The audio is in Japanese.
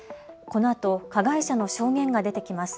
このあと加害者の証言が出てきます。